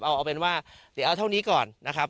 เอาเป็นว่าเดี๋ยวเอาเท่านี้ก่อนนะครับ